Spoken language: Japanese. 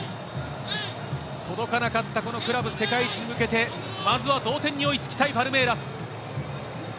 届かなかったこのクラブ世界一に向けてまずは同点に追いつきたいパルメイラス。